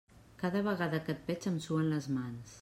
Cada vegada que et veig em suen les mans.